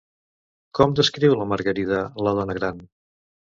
Com descriu la Margarida, la dona gran?